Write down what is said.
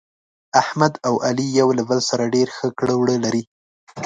احمد او علي یو له بل سره ډېر ښه کړه وړه لري.